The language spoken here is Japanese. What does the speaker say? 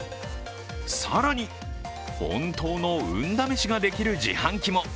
更に、本当の運試しができる自販機も。